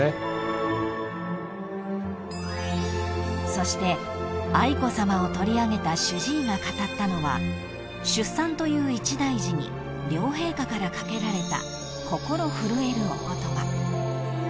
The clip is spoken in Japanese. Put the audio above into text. ［そして愛子さまを取り上げた主治医が語ったのは出産という一大事に両陛下から掛けられた］